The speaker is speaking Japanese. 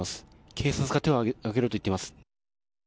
警察が手を上げろと言っています。